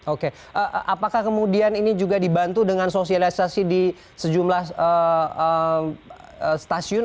oke apakah kemudian ini juga dibantu dengan sosialisasi di sejumlah stasiun